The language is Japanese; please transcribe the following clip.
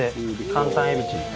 簡単エビチリ。